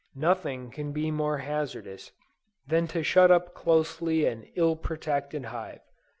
Nothing can be more hazardous than to shut up closely an ill protected hive.